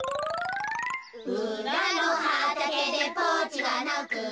「うらのはたけでポチがなく」